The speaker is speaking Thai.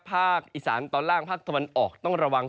ภาคอีสานตอนล่างภาคตะวันออกต้องระวัง